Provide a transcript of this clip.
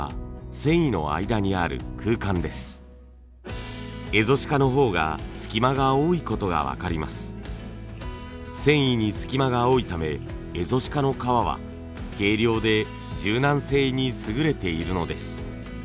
繊維に隙間が多いためエゾシカの革は軽量で柔軟性に優れているのです。